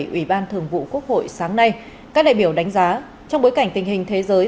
ủy ban thường vụ quốc hội sáng nay các đại biểu đánh giá trong bối cảnh tình hình thế giới